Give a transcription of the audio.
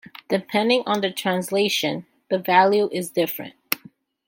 Depending on the translation, the value is different.